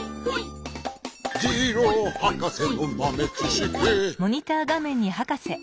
「ジローはかせのまめちしき」